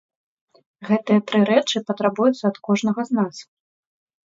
Гэтыя тры рэчы патрабуюцца ад кожнага з нас.